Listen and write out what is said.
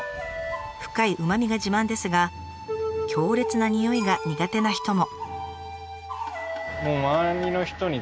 深いうまみが自慢ですが強烈なにおいが苦手な人も。